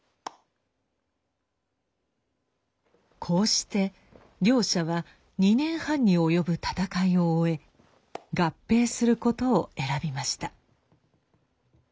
こうして両社は２年半に及ぶ戦いを終え合併することを選びました。